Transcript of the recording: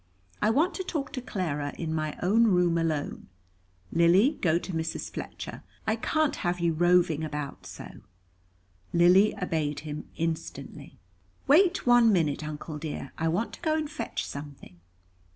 I want to talk to Clara, in my own room alone. Lily, go to Mrs. Fletcher, I can't have you roving about so." Lily obeyed him instantly. "Wait one minute, Uncle dear; I want to go and fetch something."